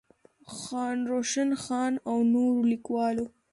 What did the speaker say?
خان روشن خان او نورو ليکوالو